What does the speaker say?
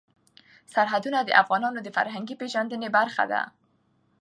سرحدونه د افغانانو د فرهنګي پیژندنې برخه ده.